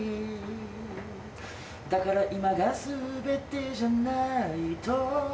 「だから今がすべてじゃないと」